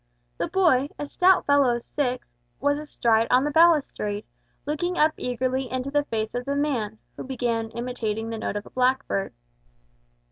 The boy, a stout fellow of six, was astride on the balustrade, looking up eagerly into the face of the man, who began imitating the note of a blackbird.